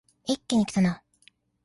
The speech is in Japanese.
一気にきたな